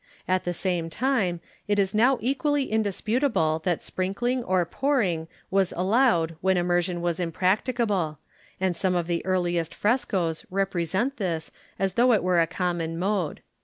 At the same time, it is now equally indisputable that sprinkling or pouring was allowed when immersion was impracticable, and some of the earliest frescos represent this as though it were a common mode.